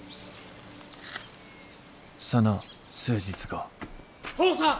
その数日後・父さん！